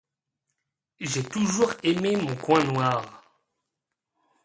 J’ai toujours aimé mon coin noir.